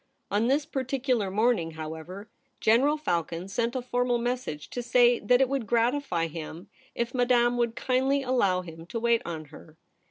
On this particular morning, how ever, General Falcon sent a formal message to say that it would gratify him if Madame would kindly allow him to wait on her.